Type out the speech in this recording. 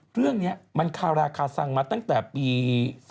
เรื่องนี้มันคาราคาซังมาตั้งแต่ปี๒๕๖